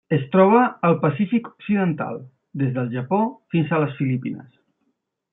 Es troba al Pacífic occidental: des del Japó fins a les Filipines.